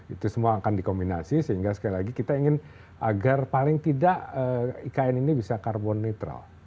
itu semua akan dikombinasi sehingga sekali lagi kita ingin agar paling tidak ikn ini bisa carbon netral